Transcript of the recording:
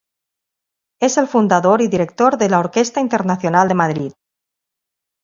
Es el fundador y director de la Orquesta Internacional de Madrid.